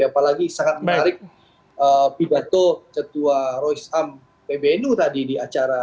apalagi sangat menarik pidato ketua roy sam pbnu tadi di acara